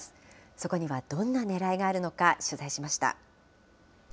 そこにはどんなねらいがあるのか、取材しました。